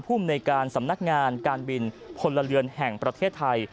ภูมิในการสำนักงานการบินพลเรือนแห่งประเทศไทย